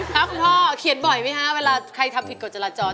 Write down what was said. ครับคุณพ่อเขียนบ่อยไหมคะเวลาใครทำผิดกฎจราจร